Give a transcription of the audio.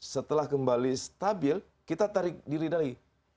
setelah kembali stabil kita tarik diri lagi